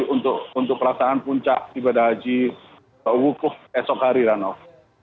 untuk perasaan puncak ibadah haji kewukuh esok hari ranah